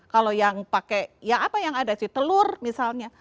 kalau yang pakai ya apa yang ada si telur misalnya